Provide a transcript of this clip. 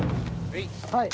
はい。